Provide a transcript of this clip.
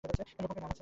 লোকমুখে নাম আছে?